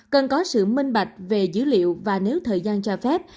cần có sự minh bạch về dữ liệu và nếu thời gian cho phép